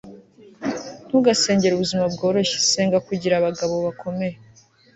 ntugasengere ubuzima bworoshye. senga kugira abagabo bakomeye